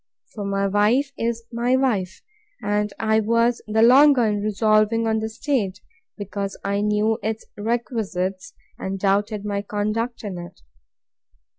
For my wife is my wife; and I was the longer in resolving on the state, because I knew its requisites, and doubted my conduct in it.